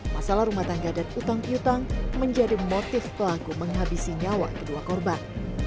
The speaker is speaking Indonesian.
masalah rumah tangga dan utang utang menjadi motif pelaku menghabisi nyawa kedua korban